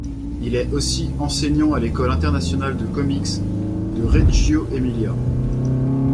Il est aussi enseignant à l'École Internationale de Comics de Reggio Emilia.